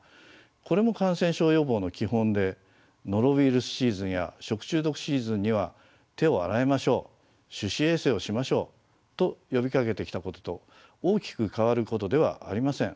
これも感染症予防の基本でノロウイルスシーズンや食中毒シーズンには手を洗いましょう手指衛生をしましょうと呼びかけてきたことと大きく変わることではありません。